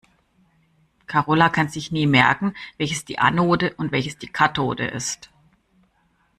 Karola kann sich nie merken, welches die Anode und welches die Kathode ist.